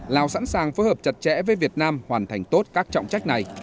lào sẵn sàng phối hợp chặt chẽ với việt nam hoàn thành tốt các trọng trách này